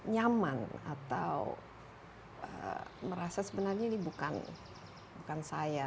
nyaman atau merasa sebenarnya ini bukan saya